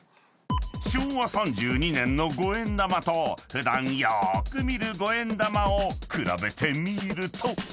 ［昭和３２年の五円玉と普段よーく見る五円玉を比べてみると］